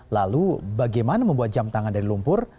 lalu bagaimana membuat jam tangan dari lumpur